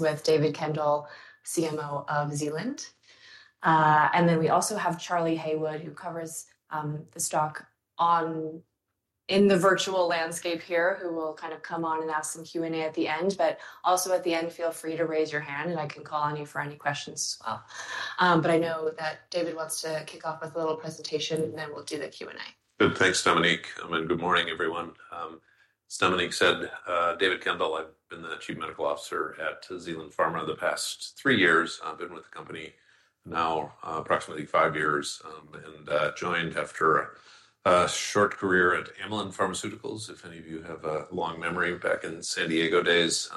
With David Kendall, CMO of Zealand. We also have Charlie Haywood, who covers the stock in the virtual landscape here, who will kind of come on and ask some Q&A at the end. At the end, feel free to raise your hand, and I can call on you for any questions as well. I know that David wants to kick off with a little presentation, and then we'll do the Q&A. Thanks, Dominique. I mean, good morning, everyone. As Dominique said, David Kendall, I've been the Chief Medical Officer at Zealand Pharma the past three years. I've been with the company now approximately five years and joined after a short career at Amylin Pharmaceuticals, if any of you have a long memory. Back in San Diego days,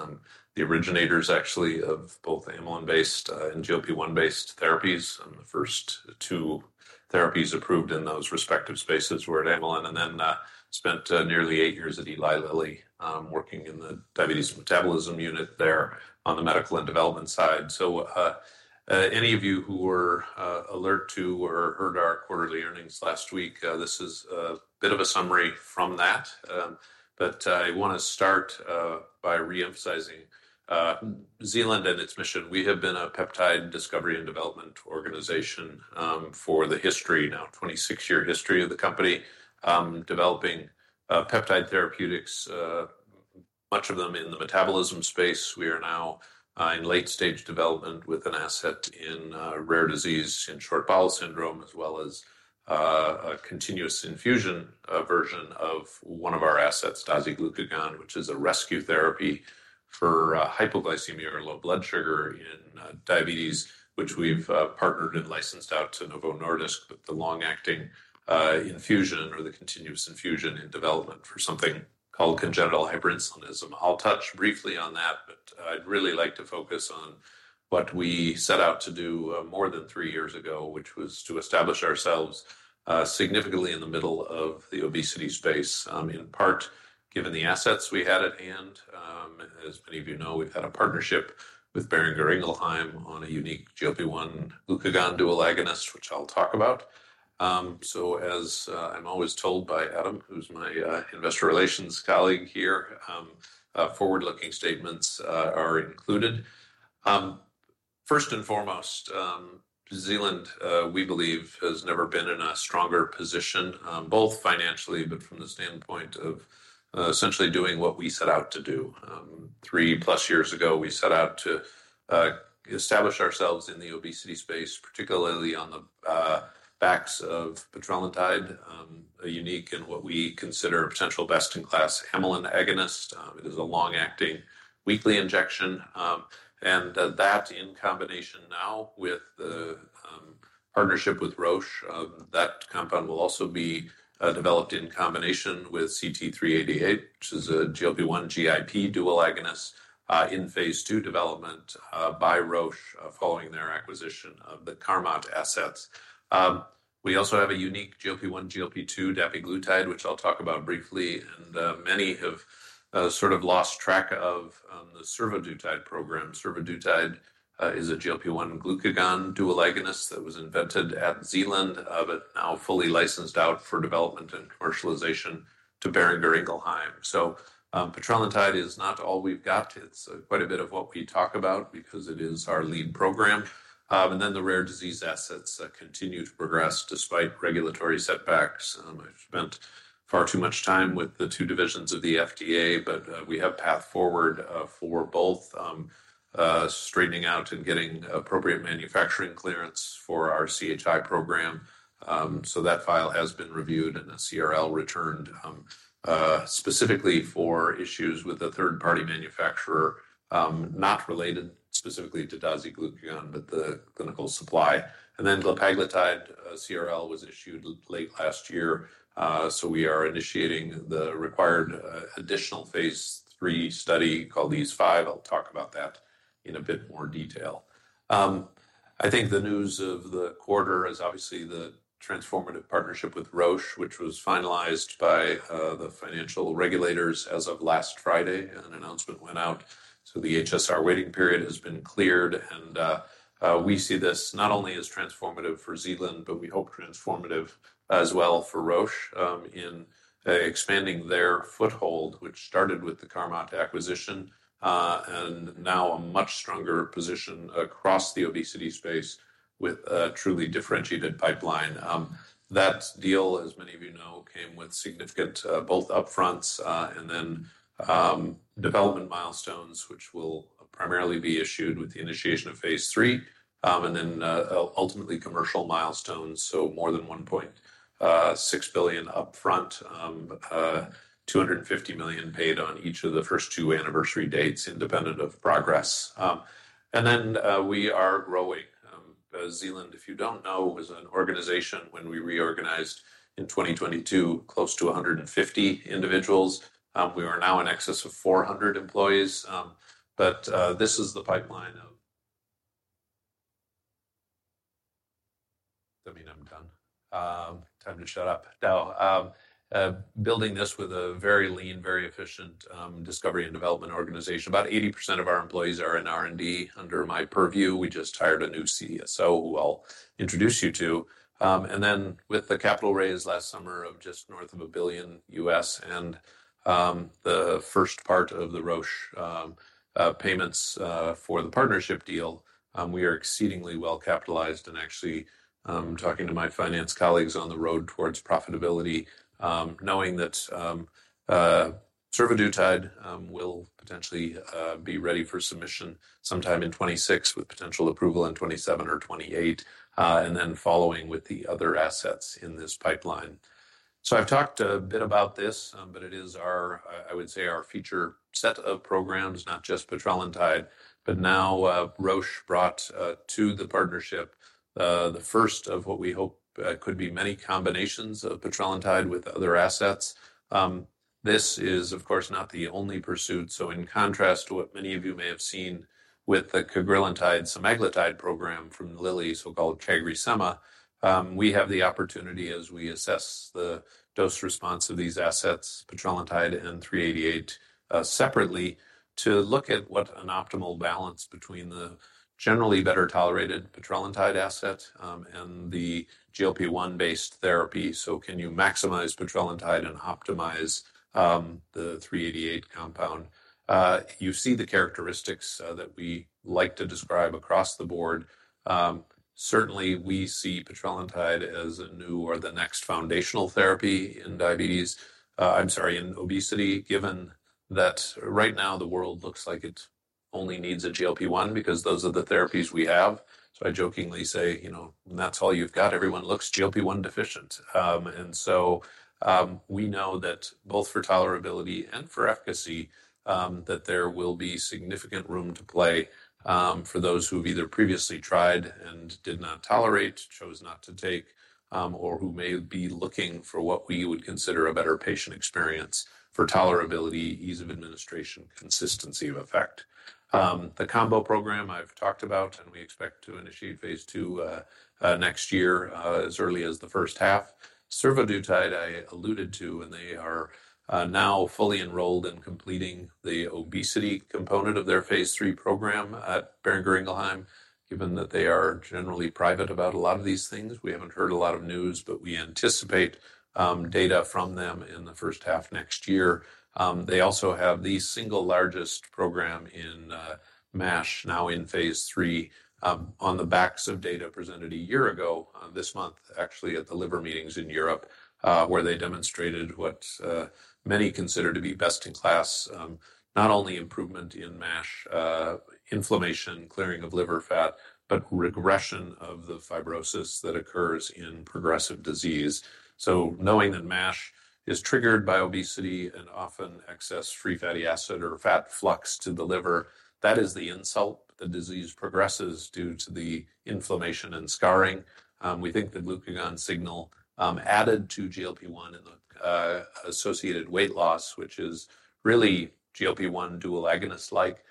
the originators actually of both Amylin-based and GLP-1-based therapies. The first two therapies approved in those respective spaces were at Amylin, and then spent nearly eight years at Eli Lilly working in the diabetes and metabolism unit there on the medical and development side. Any of you who were alert to or heard our quarterly earnings last week, this is a bit of a summary from that. I want to start by reemphasizing Zealand and its mission. We have been a peptide discovery and development organization for the history, now 26-year history of the company developing peptide therapeutics, much of them in the metabolism space. We are now in late-stage development with an asset in rare disease and short bowel syndrome, as well as a continuous infusion version of one of our assets, dasiglucagon, which is a rescue therapy for hypoglycemia or low blood sugar in diabetes, which we've partnered and licensed out to Novo Nordisk with the long-acting infusion or the continuous infusion in development for something called congenital hyperinsulinism. I'll touch briefly on that, but I'd really like to focus on what we set out to do more than three years ago, which was to establish ourselves significantly in the middle of the obesity space, in part given the assets we had at hand. As many of you know, we've had a partnership with Boehringer Ingelheim on a unique GLP-1/glucagon dual agonist, which I'll talk about. As I'm always told by Adam, who's my investor relations colleague here, forward-looking statements are included. First and foremost, Zealand, we believe, has never been in a stronger position, both financially, but from the standpoint of essentially doing what we set out to do. Three-plus years ago, we set out to establish ourselves in the obesity space, particularly on the backs of petrelintide, a unique and what we consider a potential best-in-class amylin agonist. It is a long-acting weekly injection. That, in combination now with the partnership with Roche, that compound will also be developed in combination with CT-388, which is a GLP-1/GIP dual agonist in phase II development by Roche following their acquisition of the Carmot assets. We also have a unique GLP-1/GLP-2 dapiglutide, which I'll talk about briefly, and many have sort of lost track of the survodutide program. Survodutide is a GLP-1/glucagon dual agonist that was invented at Zealand, but now fully licensed out for development and commercialization to Boehringer Ingelheim. So petrelintide is not all we've got. It's quite a bit of what we talk about because it is our lead program. And then the rare disease assets continue to progress despite regulatory setbacks. I've spent far too much time with the two divisions of the FDA, but we have a path forward for both straightening out and getting appropriate manufacturing clearance for our CHI program. So that file has been reviewed and a CRL returned specifically for issues with a third-party manufacturer not related specifically to dasiglucagon, but the clinical supply. Glapaglutide CRL was issued late last year. We are initiating the required additional phase III study called these five. I'll talk about that in a bit more detail. I think the news of the quarter is obviously the transformative partnership with Roche, which was finalized by the financial regulators as of last Friday, and an announcement went out. The HSR waiting period has been cleared, and we see this not only as transformative for Zealand, but we hope transformative as well for Roche in expanding their foothold, which started with the Carmot acquisition and now a much stronger position across the obesity space with a truly differentiated pipeline. That deal, as many of you know, came with significant both upfronts and then development milestones, which will primarily be issued with the initiation of phase III and then ultimately commercial milestones. More than $1.6 billion upfront, $250 million paid on each of the first two anniversary dates independent of progress. We are growing. Zealand, if you do not know, was an organization when we reorganized in 2022, close to 150 individuals. We are now in excess of 400 employees, but this is the pipeline of—I mean, I'm done. Time to shut up. Now, building this with a very lean, very efficient discovery and development organization. About 80% of our employees are in R&D under my purview. We just hired a new CSO who I'll introduce you to. With the capital raise last summer of just north of $1 billion and the first part of the Roche payments for the partnership deal, we are exceedingly well capitalized. Actually, talking to my finance colleagues on the road towards profitability, knowing that survodutide will potentially be ready for submission sometime in 2026 with potential approval in 2027 or 2028, and then following with the other assets in this pipeline. I have talked a bit about this, but it is our, I would say, our feature set of programs, not just petrelintide, but now Roche brought to the partnership the first of what we hope could be many combinations of petrelintide with other assets. This is, of course, not the only pursuit. In contrast to what many of you may have seen with the cagrilintide-semaglutide program from Lilly, so-called CagriSema, we have the opportunity, as we assess the dose response of these assets, petrelintide and 388, separately to look at what an optimal balance between the generally better tolerated petrelintide asset and the GLP-1-based therapy. Can you maximize petrelintide and optimize the 388 compound? You see the characteristics that we like to describe across the board. Certainly, we see petrelintide as a new or the next foundational therapy in obesity, given that right now the world looks like it only needs a GLP-1 because those are the therapies we have. I jokingly say, you know, that's all you've got. Everyone looks GLP-1 deficient. We know that both for tolerability and for efficacy, there will be significant room to play for those who have either previously tried and did not tolerate, chose not to take, or who may be looking for what we would consider a better patient experience for tolerability, ease of administration, consistency of effect. The combo program I've talked about, and we expect to initiate phase II next year as early as the first half. Survodutide, I alluded to, and they are now fully enrolled in completing the obesity component of their phase III program at Boehringer Ingelheim, given that they are generally private about a lot of these things. We haven't heard a lot of news, but we anticipate data from them in the first half next year. They also have the single largest program in MASH now in phase III on the backs of data presented a year ago this month, actually at the liver meetings in Europe, where they demonstrated what many consider to be best in class, not only improvement in MASH inflammation, clearing of liver fat, but regression of the fibrosis that occurs in progressive disease. Knowing that MASH is triggered by obesity and often excess free fatty acid or fat flux to the liver, that is the insult. The disease progresses due to the inflammation and scarring. We think the glucagon signal added to GLP-1 and the associated weight loss, which is really GLP-1 dual agonist-like,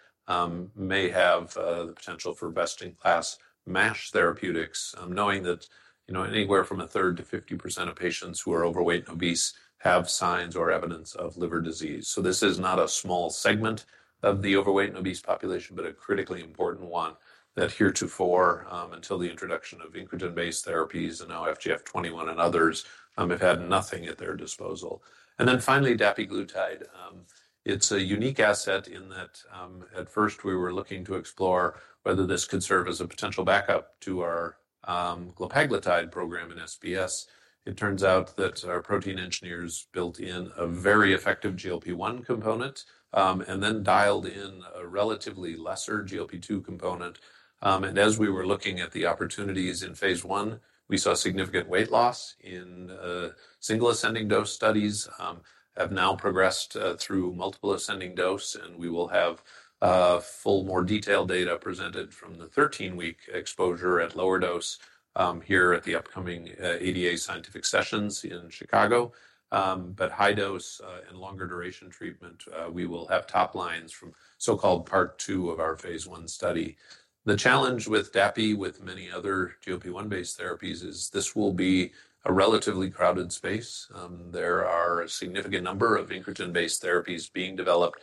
may have the potential for best-in-class MASH therapeutics, knowing that anywhere from a third to 50% of patients who are overweight and obese have signs or evidence of liver disease. This is not a small segment of the overweight and obese population, but a critically important one that heretofore, until the introduction of incretin-based therapies and now FGF21 and others, have had nothing at their disposal. Finally, dapiglutide. It's a unique asset in that at first we were looking to explore whether this could serve as a potential backup to our glepaglutide program in SBS. It turns out that our protein engineers built in a very effective GLP-1 component and then dialed in a relatively lesser GLP-2 component. As we were looking at the opportunities in phase I, we saw significant weight loss in single ascending dose studies have now progressed through multiple ascending dose, and we will have full, more detailed data presented from the 13-week exposure at lower dose here at the upcoming ADA scientific sessions in Chicago. High dose and longer duration treatment, we will have top lines from so-called part two of our phase I study. The challenge with dapi, with many other GLP-1-based therapies, is this will be a relatively crowded space. There are a significant number of incretin-based therapies being developed.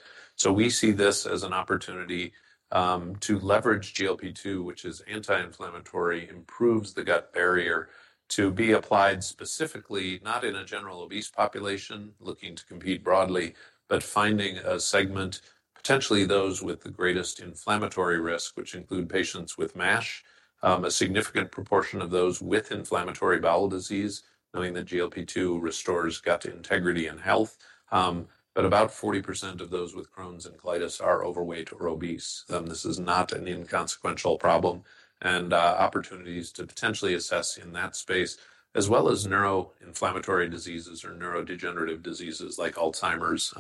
We see this as an opportunity to leverage GLP-2, which is anti-inflammatory, improves the gut barrier to be applied specifically, not in a general obese population looking to compete broadly, but finding a segment, potentially those with the greatest inflammatory risk, which include patients with MASH, a significant proportion of those with inflammatory bowel disease, knowing that GLP-2 restores gut integrity and health. About 40% of those with Crohn's and colitis are overweight or obese. This is not an inconsequential problem. Opportunities to potentially assess in that space, as well as neuroinflammatory diseases or neurodegenerative diseases like Alzheimer's,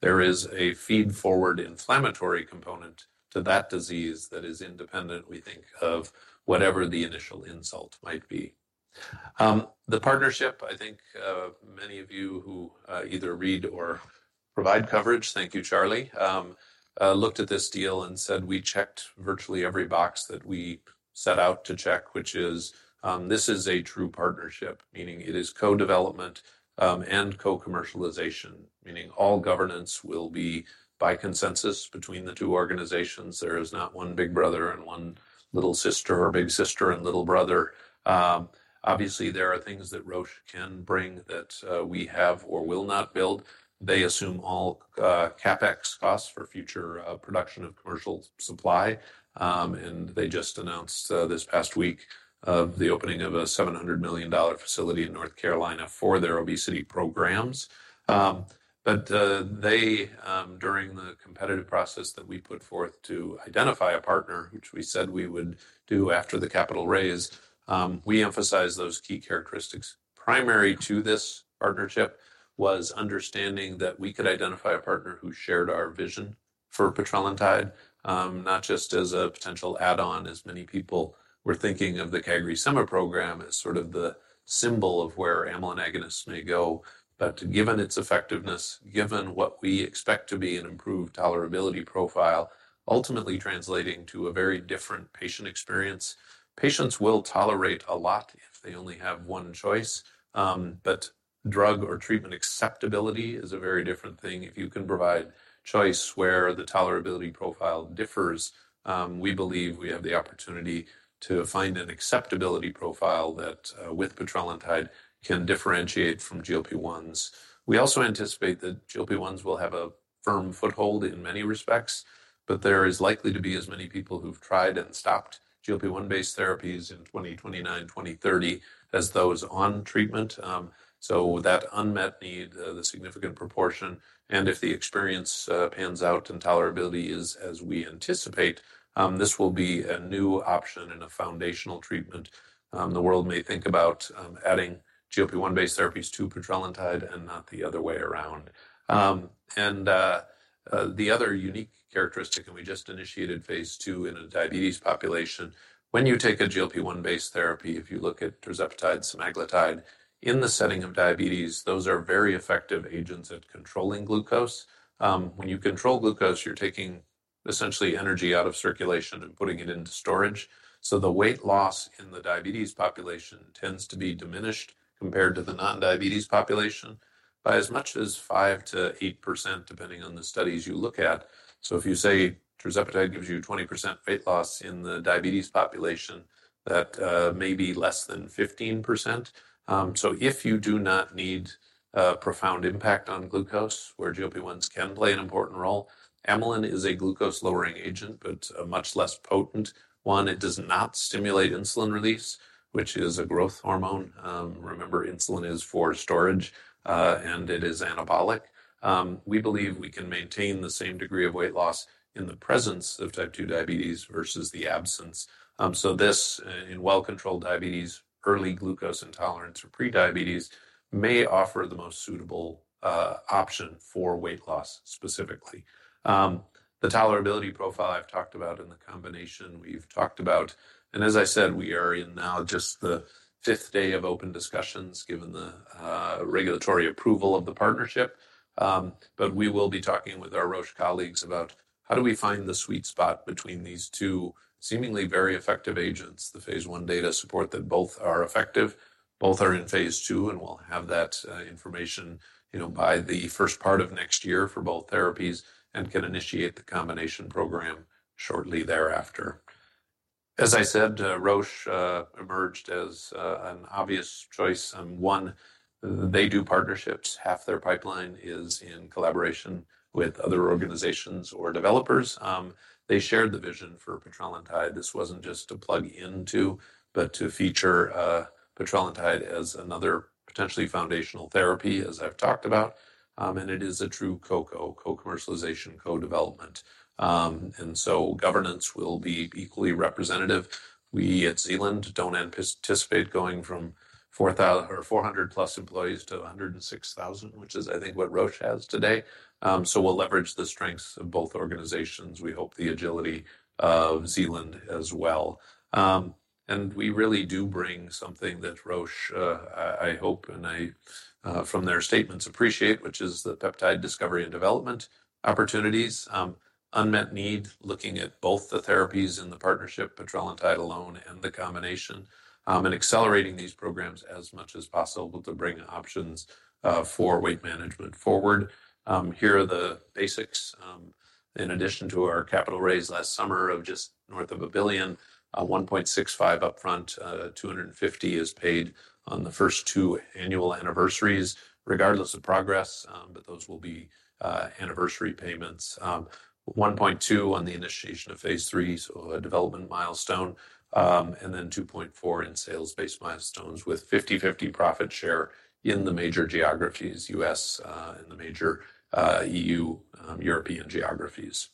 there is a feed-forward inflammatory component to that disease that is independent, we think, of whatever the initial insult might be. The partnership, I think many of you who either read or provide coverage, thank you, Charlie, looked at this deal and said, "We checked virtually every box that we set out to check," which is this is a true partnership, meaning it is co-development and co-commercialization, meaning all governance will be by consensus between the two organizations. There is not one big brother and one little sister or big sister and little brother. Obviously, there are things that Roche can bring that we have or will not build. They assume all CapEx costs for future production of commercial supply. They just announced this past week the opening of a $700 million facility in North Carolina for their obesity programs. During the competitive process that we put forth to identify a partner, which we said we would do after the capital raise, we emphasized those key characteristics. Primary to this partnership was understanding that we could identify a partner who shared our vision for petrelintide, not just as a potential add-on, as many people were thinking of the CagriSema program as sort of the symbol of where amylin agonists may go. Given its effectiveness, given what we expect to be an improved tolerability profile, ultimately translating to a very different patient experience, patients will tolerate a lot if they only have one choice. Drug or treatment acceptability is a very different thing. If you can provide choice where the tolerability profile differs, we believe we have the opportunity to find an acceptability profile that, with petrelintide, can differentiate from GLP-1s. We also anticipate that GLP-1s will have a firm foothold in many respects, but there is likely to be as many people who've tried and stopped GLP-1-based therapies in 2029, 2030 as those on treatment. That unmet need, the significant proportion, and if the experience pans out and tolerability is as we anticipate, this will be a new option and a foundational treatment. The world may think about adding GLP-1-based therapies to petrelintide and not the other way around. The other unique characteristic, and we just initiated phase II in a diabetes population. When you take a GLP-1-based therapy, if you look at tirzepatide-semaglutide in the setting of diabetes, those are very effective agents at controlling glucose. When you control glucose, you're taking essentially energy out of circulation and putting it into storage. The weight loss in the diabetes population tends to be diminished compared to the non-diabetes population by as much as 5%-8%, depending on the studies you look at. If you say tirzepatide gives you 20% weight loss in the diabetes population, that may be less than 15%. If you do not need a profound impact on glucose, where GLP-1s can play an important role, amylin is a glucose-lowering agent, but a much less potent one. It does not stimulate insulin release, which is a growth hormone. Remember, insulin is for storage, and it is anabolic. We believe we can maintain the same degree of weight loss in the presence of type 2 diabetes versus the absence. This, in well-controlled diabetes, early glucose intolerance or prediabetes, may offer the most suitable option for weight loss specifically. The tolerability profile I've talked about in the combination we've talked about, and as I said, we are in now just the fifth day of open discussions given the regulatory approval of the partnership. We will be talking with our Roche colleagues about how do we find the sweet spot between these two seemingly very effective agents. The phase I data support that both are effective, both are in phase II, and we'll have that information by the first part of next year for both therapies and can initiate the combination program shortly thereafter. As I said, Roche emerged as an obvious choice. One, they do partnerships. Half their pipeline is in collaboration with other organizations or developers. They shared the vision for petrelintide. This was not just to plug into, but to feature petrelintide as another potentially foundational therapy, as I've talked about. It is a true co-co, co-commercialization, co-development. Governance will be equally representative. We at Zealand do not anticipate going from 400+ employees to 106,000, which is, I think, what Roche has today. We will leverage the strengths of both organizations. We hope the agility of Zealand as well. And we really do bring something that Roche, I hope, and I from their statements appreciate, which is the peptide discovery and development opportunities, unmet need, looking at both the therapies in the partnership, petrelintide alone, and the combination, and accelerating these programs as much as possible to bring options for weight management forward. Here are the basics. In addition to our capital raise last summer of just north of $1 billion, $1.65 billion upfront, $250 million is paid on the first two annual anniversaries, regardless of progress, but those will be anniversary payments. $1.2 billion on the initiation of phase III, so a development milestone, and then $2.4 billion in sales-based milestones with 50/50 profit share in the major geographies, U.S. and the major EU, European geographies.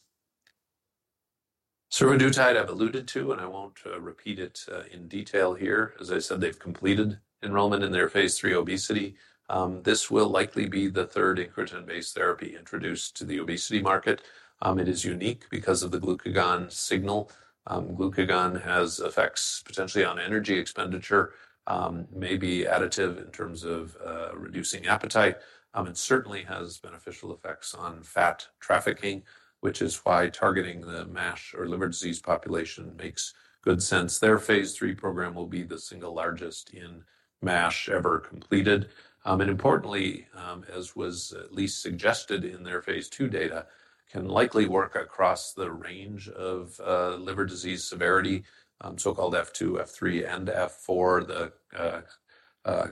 Survodutide I've alluded to, and I won't repeat it in detail here. As I said, they've completed enrollment in their phase III obesity. This will likely be the third incretin-based therapy introduced to the obesity market. It is unique because of the glucagon signal. Glucagon has effects potentially on energy expenditure, may be additive in terms of reducing appetite, and certainly has beneficial effects on fat trafficking, which is why targeting the MASH or liver disease population makes good sense. Their phase III program will be the single largest in MASH ever completed. Importantly, as was at least suggested in their phase II data, can likely work across the range of liver disease severity, so-called F2, F3, and F4, the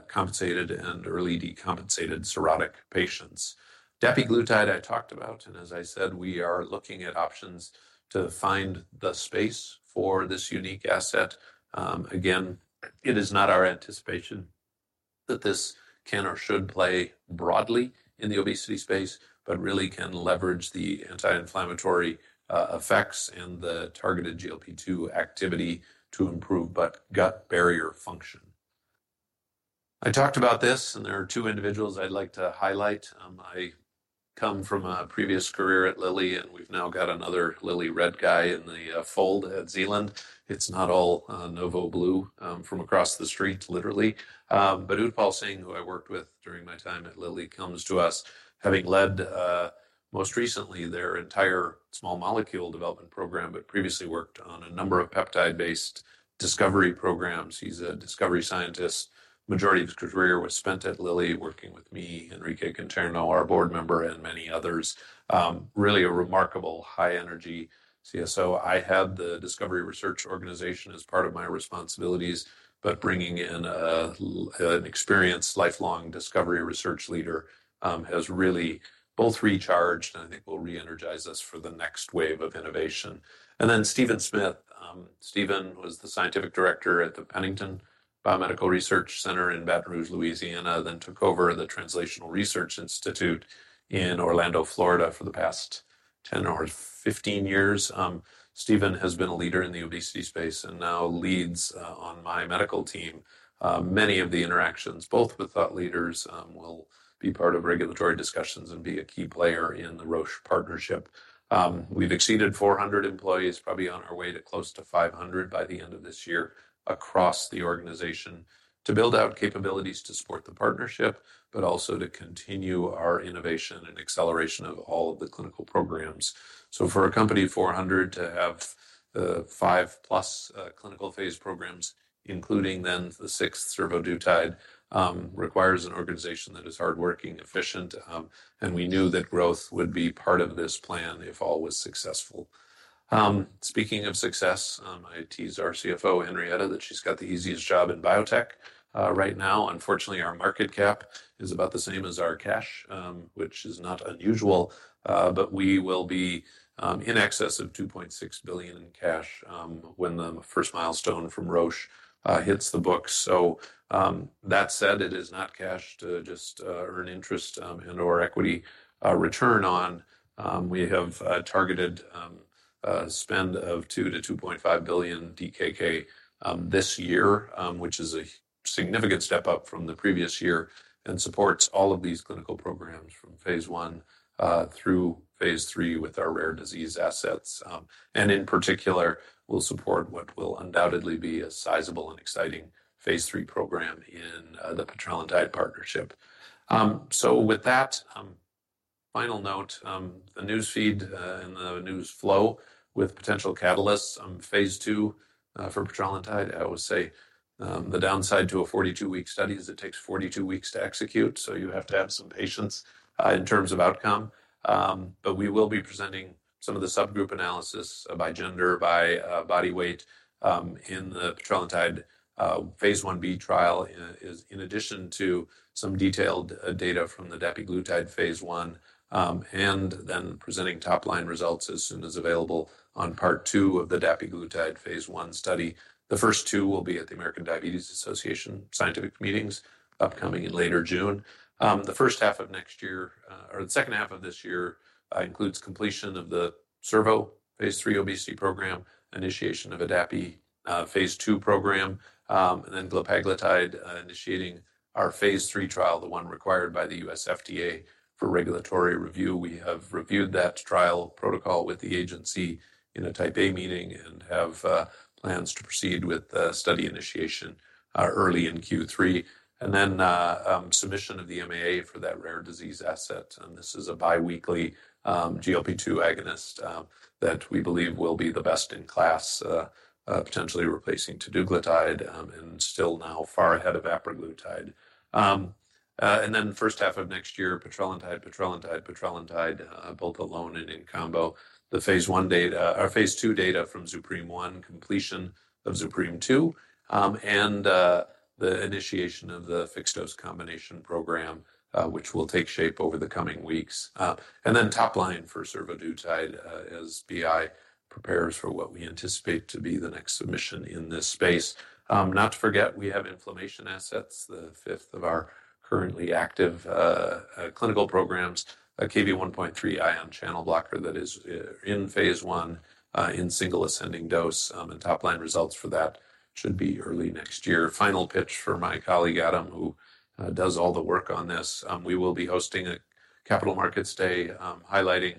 compensated and early decompensated cirrhotic patients. Dapiglutide I talked about, and as I said, we are looking at options to find the space for this unique asset. Again, it is not our anticipation that this can or should play broadly in the obesity space, but really can leverage the anti-inflammatory effects and the targeted GLP-2 activity to improve gut barrier function. I talked about this, and there are two individuals I'd like to highlight. I come from a previous career at Lilly, and we've now got another Lilly red guy in the fold at Zealand. It's not all Novo Blue from across the street, literally. Utpal Singh, who I worked with during my time at Lilly, comes to us having led most recently their entire small molecule development program, but previously worked on a number of peptide-based discovery programs. He's a discovery scientist. The majority of his career was spent at Lilly, working with me, Henriette Wennicke, our board member, and many others. Really a remarkable high-energy CSO. I had the discovery research organization as part of my responsibilities, but bringing in an experienced lifelong discovery research leader has really both recharged and I think will re-energize us for the next wave of innovation. Steven Smith. Steven was the Scientific Director at the Pennington Biomedical Research Center in Baton Rouge, Louisiana, then took over the Translational Research Institute in Orlando, Florida for the past 10 or 15 years. Steven has been a leader in the obesity space and now leads on my medical team. Many of the interactions, both with thought leaders, will be part of regulatory discussions and be a key player in the Roche partnership. We've exceeded 400 employees, probably on our way to close to 500 by the end of this year across the organization to build out capabilities to support the partnership, but also to continue our innovation and acceleration of all of the clinical programs. For a company of 400 to have five-plus clinical phase programs, including then the sixth, survodutide, requires an organization that is hardworking, efficient, and we knew that growth would be part of this plan if all was successful. Speaking of success, I teased our CFO, Henriette, that she's got the easiest job in biotech right now. Unfortunately, our market cap is about the same as our cash, which is not unusual, but we will be in excess of 2.6 billion in cash when the first milestone from Roche hits the books. That said, it is not cash to just earn interest and/or equity return on. We have a targeted spend of 2 billion-2.5 billion DKK this year, which is a significant step up from the previous year and supports all of these clinical programs from phase I through phase III with our rare disease assets. In particular, we'll support what will undoubtedly be a sizable and exciting phase III program in the petrelintide partnership. With that final note, the news feed and the news flow with potential catalysts on phase II for petrelintide, I will say the downside to a 42-week study is it takes 42 weeks to execute. You have to have some patience in terms of outcome. We will be presenting some of the subgroup analysis by gender, by body weight in the petrelintide phase I-B trial, in addition to some detailed data from the dapiglutide phase I, and then presenting top-line results as soon as available on part two of the dapiglutide phase I study. The first two will be at the American Diabetes Association scientific meetings upcoming in later June. The first half of next year or the second half of this year includes completion of the survodutide phase III obesity program, initiation of a dapi phase II program, and then glepaglutide initiating our phase III trial, the one required by the U.S. FDA for regulatory review. We have reviewed that trial protocol with the agency in a type A meeting and have plans to proceed with the study initiation early in Q3. Then submission of the MAA for that rare disease asset. This is a biweekly GLP-2 agonist that we believe will be the best in class, potentially replacing teduglutide and still now far ahead of aperliputide. In the first half of next year, petrelintide, both alone and in combo, the phase I data or phase II data from ZUPREME-1, completion of ZUPREME-2, and the initiation of the fixed-dose combination program, which will take shape over the coming weeks. Top line for survodutide as BI prepares for what we anticipate to be the next submission in this space. Not to forget, we have inflammation assets, the fifth of our currently active clinical programs, a Kv1.3 ion channel blocker that is in phase I in single ascending dose. Top-line results for that should be early next year. Final pitch for my colleague, Adam, who does all the work on this. We will be hosting a capital markets day highlighting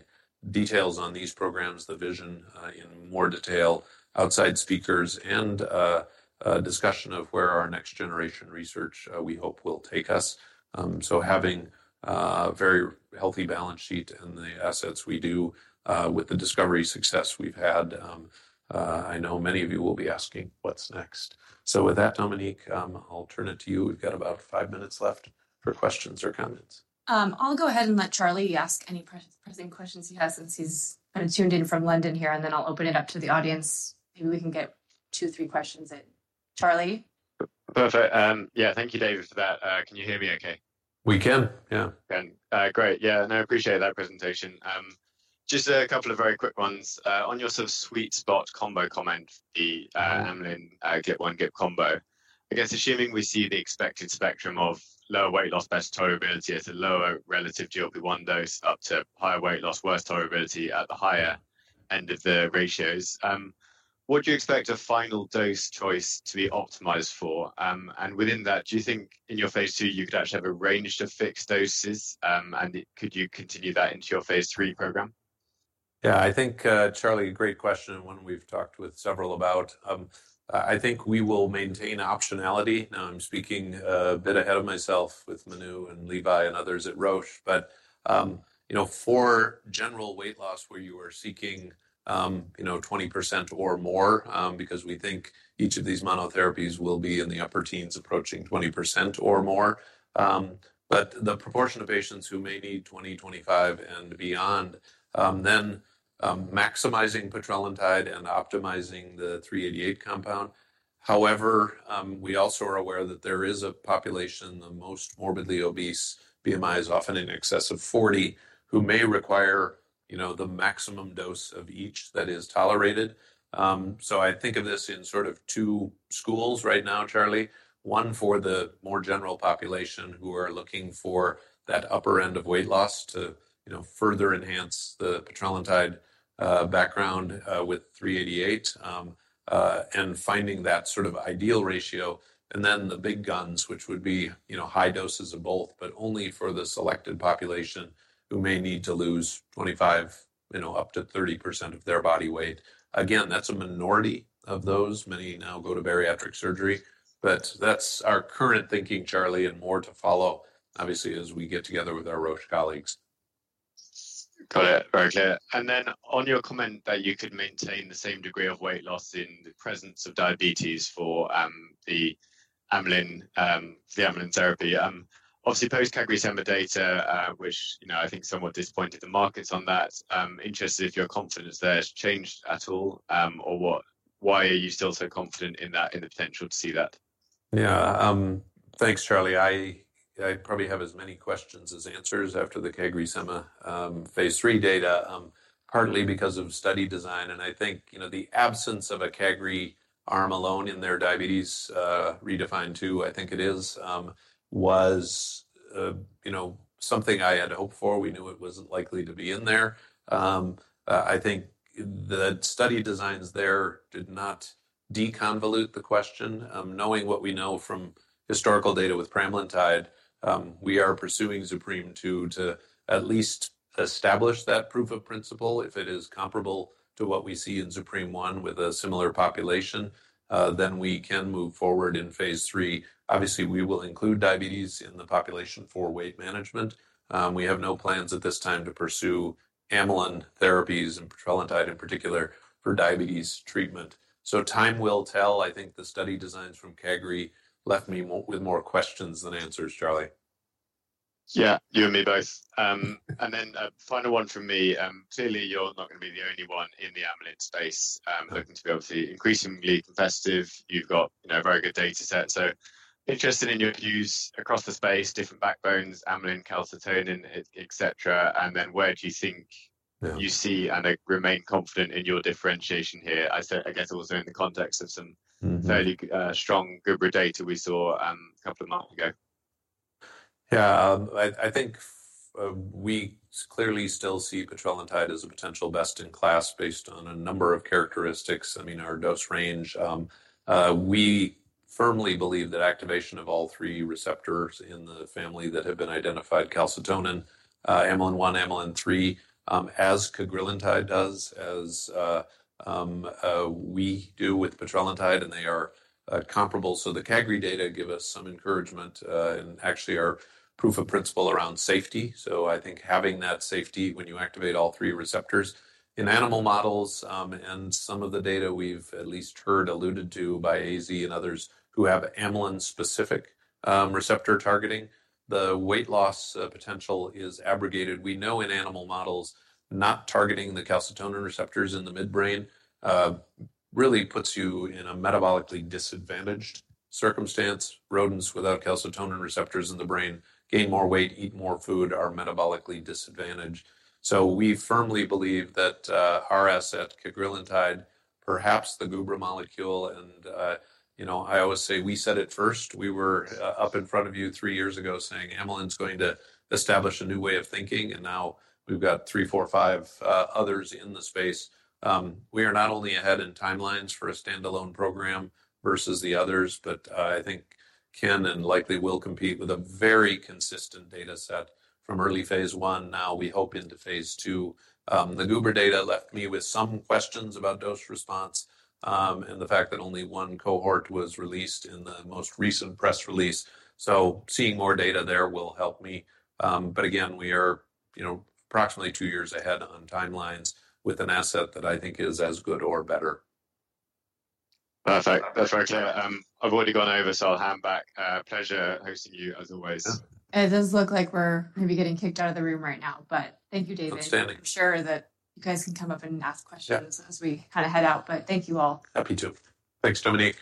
details on these programs, the vision in more detail, outside speakers, and discussion of where our next generation research we hope will take us. Having a very healthy balance sheet and the assets we do with the discovery success we've had, I know many of you will be asking, "What's next?" With that, Dominique, I'll turn it to you. We've got about five minutes left for questions or comments. I'll go ahead and let Charlie ask any pressing questions he has since he's kind of tuned in from London here, and then I'll open it up to the audience. Maybe we can get two, three questions at. Charlie? Perfect. Yeah. Thank you, David, for that. Can you hear me okay? We can. Yeah. Great. Yeah. I appreciate that presentation. Just a couple of very quick ones. On your sort of sweet spot combo comment, the amylin, GLP-1, GIP combo, I guess assuming we see the expected spectrum of lower weight loss, best tolerability at a lower relative GLP-1 dose up to higher weight loss, worse tolerability at the higher end of the ratios, what do you expect a final dose choice to be optimized for? And within that, do you think in your phase II, you could actually have a range of fixed doses? And could you continue that into your phase III program? Yeah. I think, Charlie, great question. One we've talked with several about. I think we will maintain optionality. Now, I'm speaking a bit ahead of myself with Manu and Levi and others at Roche. For general weight loss, where you are seeking 20% or more, because we think each of these monotherapies will be in the upper teens approaching 20% or more. The proportion of patients who may need 20%, 25%, and beyond, then maximizing petrelintide and optimizing the 388 compound. However, we also are aware that there is a population, the most morbidly obese, BMI is often in excess of 40, who may require the maximum dose of each that is tolerated. I think of this in sort of two schools right now, Charlie. One for the more general population who are looking for that upper end of weight loss to further enhance the petrelintide background with 388 and finding that sort of ideal ratio. Then the big guns, which would be high doses of both, but only for the selected population who may need to lose 25%-30% of their body weight. Again, that's a minority of those. Many now go to bariatric surgery. That's our current thinking, Charlie, and more to follow, obviously, as we get together with our Roche colleagues. Got it. Very clear. On your comment that you could maintain the same degree of weight loss in the presence of diabetes for the amylin therapy. Obviously, post-CagriSema data, which I think somewhat disappointed the markets on that. Interested if your confidence there has changed at all, or why are you still so confident in the potential to see that? Yeah. Thanks, Charlie. I probably have as many questions as answers after the CagriSema phase III data, partly because of study design. I think the absence of a Cagri arm alone in their diabetes redefined two, I think it is, was something I had hoped for. We knew it was not likely to be in there. I think the study designs there did not deconvolute the question. Knowing what we know from historical data with pramlintide, we are pursuing ZUPREME-2 to at least establish that proof of principle. If it is comparable to what we see in ZUPREME-1 with a similar population, then we can move forward in phase III. Obviously, we will include diabetes in the population for weight management. We have no plans at this time to pursue amylin therapies and petrelintide in particular for diabetes treatment. Time will tell. I think the study designs from Cagri left me with more questions than answers, Charlie. Yeah. You and me both. And then a final one from me. Clearly, you're not going to be the only one in the amylin space. Looking to be obviously increasingly competitive. You've got a very good data set. So interested in your views across the space, different backbones, amylin, calcitonin, etc. And then where do you think you see and remain confident in your differentiation here? I guess also in the context of some fairly strong Cagri data we saw a couple of months ago. Yeah. I think we clearly still see petrelintide as a potential best in class based on a number of characteristics. I mean, our dose range. We firmly believe that activation of all three receptors in the family that have been identified, calcitonin, amylin one, amylin three, as cagrilintide does, as we do with petrelintide, and they are comparable. So the Cagri data give us some encouragement and actually our proof of principle around safety. I think having that safety when you activate all three receptors in animal models and some of the data we've at least heard alluded to by AZ and others who have amylin-specific receptor targeting, the weight loss potential is abrogated. We know in animal models, not targeting the calcitonin receptors in the midbrain really puts you in a metabolically disadvantaged circumstance. Rodents without calcitonin receptors in the brain gain more weight, eat more food, are metabolically disadvantaged. We firmly believe that our asset, cagrilintide, perhaps the Gubra molecule, and I always say we said it first. We were up in front of you three years ago saying amylin's going to establish a new way of thinking, and now we've got three, four, five others in the space. We are not only ahead in timelines for a standalone program versus the others, but I think can and likely will compete with a very consistent data set from early phase I. Now we hope into phase II. The GBRA data left me with some questions about dose response and the fact that only one cohort was released in the most recent press release. Seeing more data there will help me. Again, we are approximately two years ahead on timelines with an asset that I think is as good or better. Perfect. That is very clear. I have already gone over, so I will hand back. Pleasure hosting you as always. It does look like we are maybe getting kicked out of the room right now, but thank you, David. Outstanding. I am sure that you guys can come up and ask questions as we kind of head out, but thank you all. Happy to. Thanks, Dominique.